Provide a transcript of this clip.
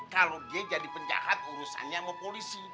kalau dia jadi penjahat urusannya sama polisi